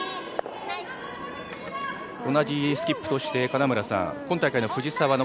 同じスキップとして、金村さん、今大会の藤澤